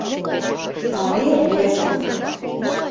Марий рвезым